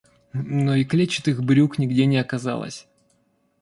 Но и клетчатых брюк нигде не оказалось.